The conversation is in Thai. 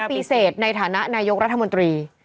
ปีเสร็จในฐานะนายกรัฐมนตรี